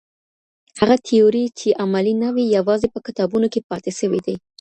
هغه تیورۍ چې عملي نه وي یوازې په کتابونو کې پاتې سوې دي.